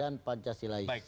dan pancasila is